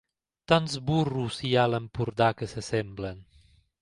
Tants burros hi ha a l'Empordà que s'assemblen.